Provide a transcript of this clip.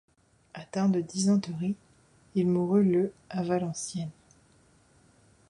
Atteint de dysenterie, il mourut le à Valenciennes.